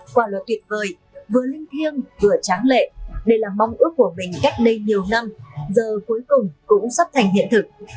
quả luật tuyệt vời vừa linh thiêng vừa tráng lệ đây là mong ước của mình cách đây nhiều năm giờ cuối cùng cũng sắp thành hiện thực